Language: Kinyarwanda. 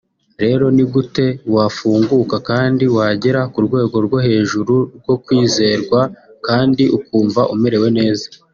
rero ni gute wafunguka kandi wagera ku rwego rwo hej uru rwo kwizerwa kandi ukumva umerewe neza